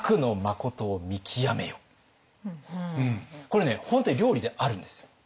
これね本当に料理であるんですよ。